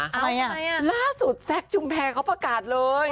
อะไรอ่ะล่าสุดแซคชุมแพรเขาประกาศเลย